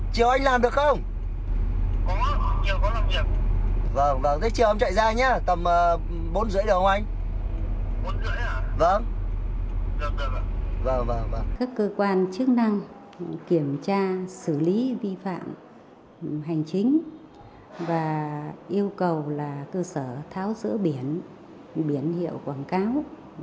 các cơ quan chức năng kiểm tra xử lý vi phạm hành chính và yêu cầu là cơ sở tháo rỡ biển biển hiệu quảng cáo